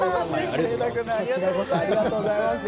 ありがとうございます。